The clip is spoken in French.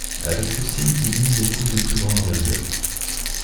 Avec ceux-ci, il monte des coups de plus grande envergure.